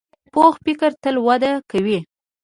پوخ فکر تل وده کوي